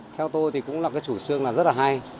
theo tôi thì cũng là cái chủ trương là rất là hay